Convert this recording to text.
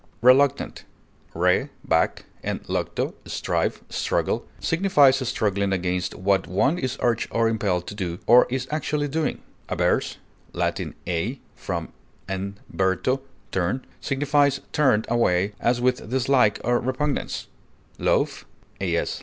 Reluctant (L. re, back, and lucto, strive, struggle) signifies struggling against what one is urged or impelled to do, or is actually doing; averse (L. a, from, and verto, turn) signifies turned away as with dislike or repugnance; loath (AS.